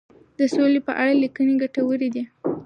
د سولي په اړه لیکنې ګټورې دي.